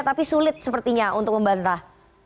tapi sulit sepertinya untuk membantah